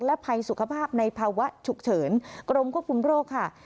ภัยสุขภาพในภาวะฉุกเฉินกรมควบคุมโรคค่ะ